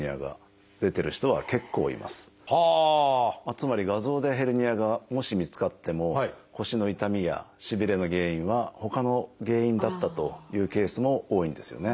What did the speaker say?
つまり画像でヘルニアがもし見つかっても腰の痛みやしびれの原因はほかの原因だったというケースも多いんですよね。